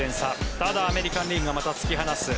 ただ、アメリカン・リーグがまた突き放す。